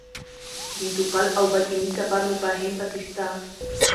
د توکل او باطني سفر مفاهیم پکې شته.